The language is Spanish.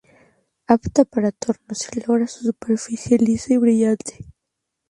Apta para torno, se logra superficie lisa y brillante.